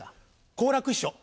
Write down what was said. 好楽師匠。